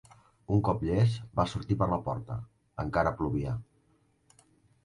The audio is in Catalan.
Un cop llest, va sortir a la porta. Encara plovia.